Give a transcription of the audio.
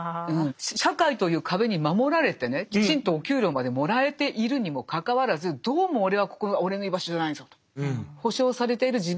社会という壁に守られてねきちんとお給料までもらえているにもかかわらずどうも俺はここは俺の居場所じゃないぞと。